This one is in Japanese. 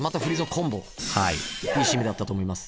いい締めだったと思います。